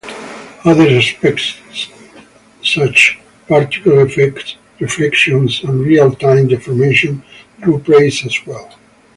Other aspects such particle effects, reflections, and real-time deformation drew praise as well.